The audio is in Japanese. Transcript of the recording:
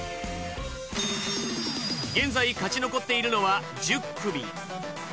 現在勝ち残っているのは１０組。